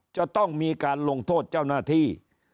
จะต้องมีการลงโทษเจ้าหน้าที่